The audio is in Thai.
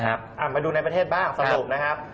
ไปดูในประเทศบ้างสรุป